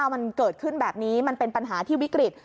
มันเกิดขึ้นแบบนี้มันเป็นปัญหาที่วิกฤต